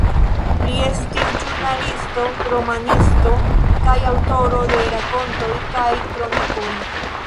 Li estis ĵurnalisto, romanisto kaj aŭtoro de rakontoj kaj kronikoj.